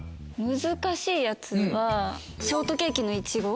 難しいやつはショートケーキのいちご。